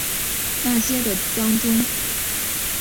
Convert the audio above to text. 那些的当中一个是库路耐尔。